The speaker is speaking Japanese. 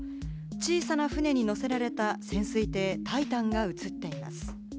小さな船に乗せられた潜水艇・タイタンが写っています。